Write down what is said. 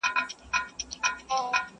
باران به اوري څوک به ځای نه درکوینه،